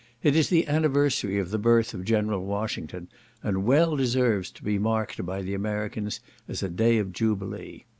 It is the anniversary of the birth of General Washington, and well deserves to be marked by the Americans as a day of jubilee.